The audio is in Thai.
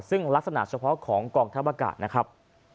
ซึ่งลักษณะเฉพาะของกองทัพอากาศนะครับ